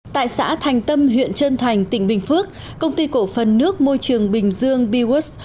tại xã thành tâm huyện trân thành tỉnh bình phước công ty cổ phần nước môi trường bình dương bws